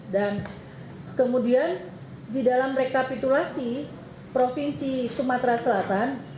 dan kemudian di dalam rekapitulasi provinsi sumatera selatan